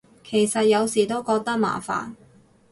其實有時都覺得麻煩